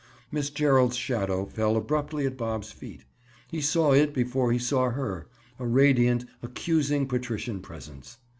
Miss Gerald's shadow fell abruptly at Bob's feet. He saw it before he saw her—a radiant, accusing patrician presence.